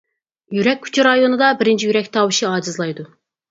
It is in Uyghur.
يۈرەك ئۇچى رايونىدا بىرىنچى يۈرەك تاۋۇشى ئاجىزلايدۇ.